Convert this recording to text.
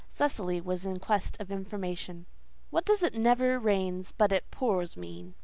Cecily was in quest of information. "What does 'it never rains but it pours' mean?"